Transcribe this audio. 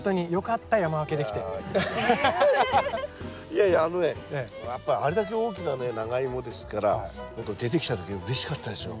いやいやあのねやっぱあれだけ大きなねナガイモですから出てきた時はうれしかったですよ。